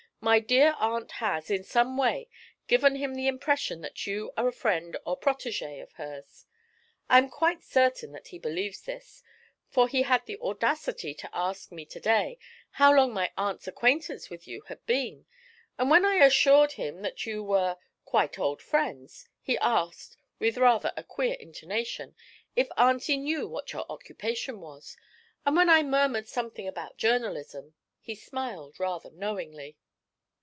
'My dear aunt has, in some way, given him the impression that you are a friend or protégé of hers. I am quite certain that he believes this, for he had the audacity to ask me to day how long my aunt's acquaintance with you had been; and when I assured him that you and she were "quite old friends," he asked, with rather a queer intonation, if auntie knew what your occupation was, and when I murmured something about journalism, he smiled rather knowingly.'